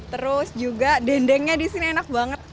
terus juga dendengnya di sini enak banget